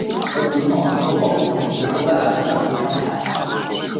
而鼻毛能够保护你不受外来污染物伤害。